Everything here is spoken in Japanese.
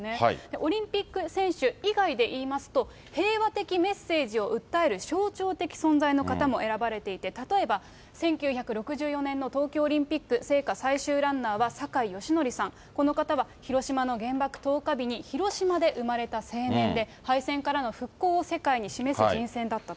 オリンピック選手以外で言いますと、平和的メッセージを訴える象徴的存在の方も選ばれていて、例えば１９６４年の東京オリンピック、聖火最終ランナーは坂井義則さん、この方は広島の原爆投下日に、広島で生まれた青年で、敗戦からの復興を世界に示す人選だったと。